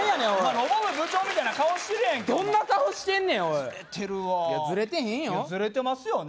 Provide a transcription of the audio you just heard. ロボ部部長みたいな顔してるやんどんな顔してんねんおいずれてるわずれてへんよずれてますよね？